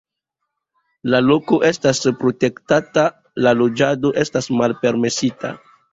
La loko estas protektata, la loĝado estas malpermesita.